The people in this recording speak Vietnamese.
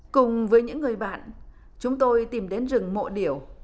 cùng với những người bạn chúng tôi tìm đến rừng mộ điểu